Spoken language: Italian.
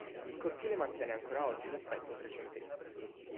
Il cortile mantiene ancora oggi l'aspetto trecentesco.